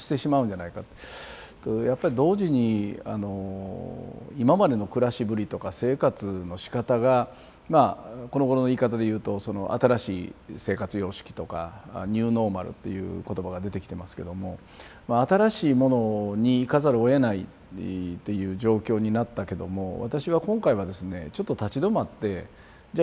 やっぱり同時に今までの暮らしぶりとか生活のしかたがまあこのごろの言い方で言うと新しい生活様式とかニューノーマルっていう言葉が出てきてますけども新しいものにいかざるをえないっていう状況になったけども私は今回はですねちょっと立ち止まってじゃあ